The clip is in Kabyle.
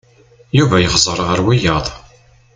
Yuba yexẓer ɣer wiyaḍ.